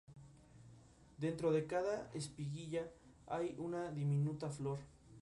Utiliza numerosos observatorios de la República Checa, y trabaja solo o con patrocinadores.